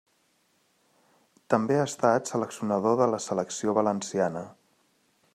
També ha estat seleccionador de la selecció valenciana.